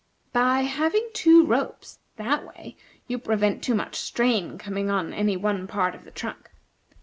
By having two ropes, that way, you prevent too much strain coming on any one part of the trunk.